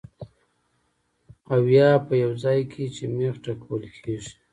او يا پۀ يو ځائے کې چې مېخ ټکوهلی کيږي